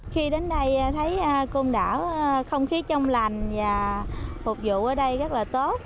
khi đến đây thấy côn đảo không khí trong lành và phục vụ ở đây rất là tốt